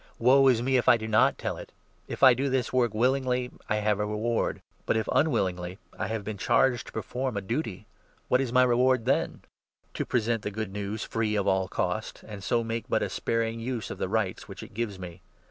Woe is me if I do not tell it ! If I do this work 17 willingly, I have a reward ; but, if unwillingly, I have been charged to perform a duty. What is my reward, then ? To 18 present the Good News free of all cost, and so make but a sparing use of the rights which it gives me.